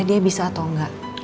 dia bisa atau enggak